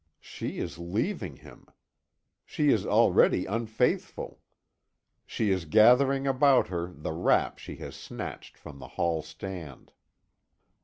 She is leaving him! She is already unfaithful! She is gathering about her the wrap she has snatched from the hall stand.